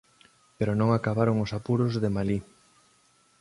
Pero non acabaron os apuros de Malí.